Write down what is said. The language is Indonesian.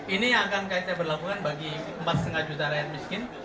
ini yang akan kita berlakukan bagi empat lima juta rakyat miskin